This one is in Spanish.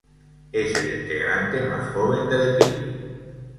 Es el integrante más joven del equipo.